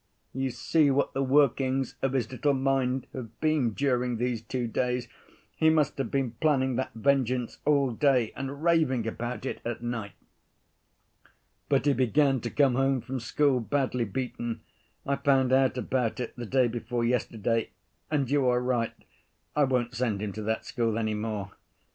You see what the workings of his little mind have been during these two days; he must have been planning that vengeance all day, and raving about it at night. "But he began to come home from school badly beaten, I found out about it the day before yesterday, and you are right, I won't send him to that school any more.